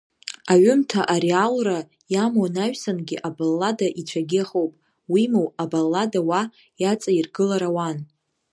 Аҩымҭа ареалра иамоу анаҩсангьы абаллада ицәагьы ахоуп, уимоу, абаллада ҳәа иаҵаиргылар ауан.